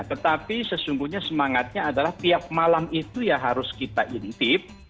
tetapi sesungguhnya semangatnya adalah tiap malam itu ya harus kita intip